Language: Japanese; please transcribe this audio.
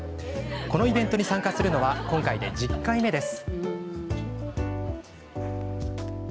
このイベントに参加するのは今回で１０回目です。